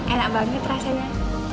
enak banget rasanya